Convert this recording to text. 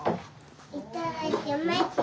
いただきまちゅ。